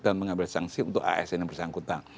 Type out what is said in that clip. dan mengambil sanksi untuk asn yang bersangkutan